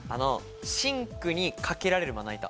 シンクにかけられるまな板。